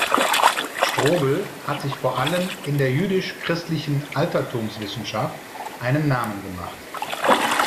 Strobel hat sich vor allem in der jüdisch-christlichen Altertumswissenschaft einen Namen gemacht.